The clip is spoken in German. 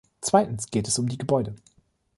Zweitens geht es um die Gebäude.